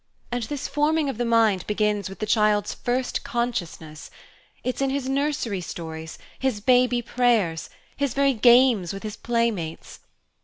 And this forming of the mind begins with the child's first consciousness; it's in his nursery stories, his baby prayers, his very games with his playmates!